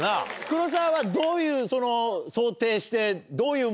黒沢はどういう想定して。